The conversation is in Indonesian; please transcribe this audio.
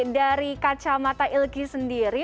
dari kacamata ilky sendiri